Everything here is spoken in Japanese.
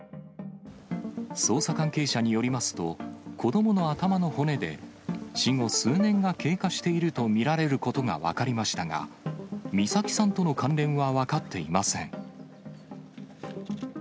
捜査関係者によりますと、子どもの頭の骨で、死後数年が経過していると見られることが分かりましたが、美咲さんとの関連は分かっていません。